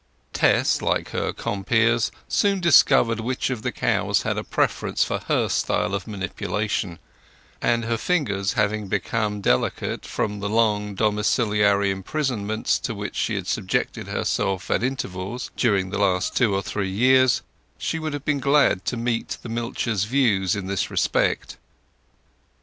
Tess, like her compeers, soon discovered which of the cows had a preference for her style of manipulation, and her fingers having become delicate from the long domiciliary imprisonments to which she had subjected herself at intervals during the last two or three years, she would have been glad to meet the milchers' views in this respect.